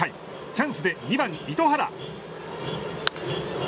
チャンスで２番、糸原。